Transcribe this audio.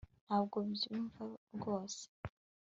ntabwo mbyumva rwose